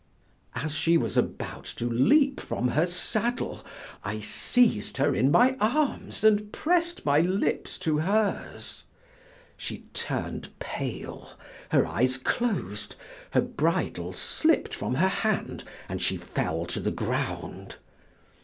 As she was about to leap from her saddle, I seized her in my arms and pressed my lips to hers. She turned pale, her eyes closed, her bridle slipped from her hand and she fell to the ground.